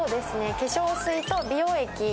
化粧水と美容液。